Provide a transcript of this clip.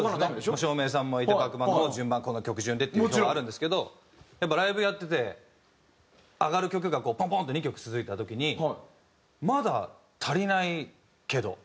照明さんもいてバックバンドも順番この曲順でっていう表はあるんですけどやっぱりライブやってて上がる曲がポンポンって２曲続いた時にまだ足りないけど。